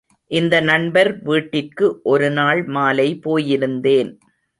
இந்த நண்பர் வீட்டிற்கு ஒரு நாள் மாலை போயிருந்தேன்.